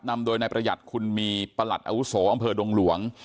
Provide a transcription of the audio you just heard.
นำโดยนายประหยัดคุณมีประหลัดอาวุโสอำเภอดงหลวง